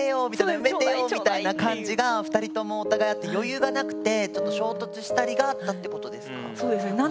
埋めてよみたいな感じが２人ともお互いあって余裕がなくてちょっと衝突したりがあったってことですか？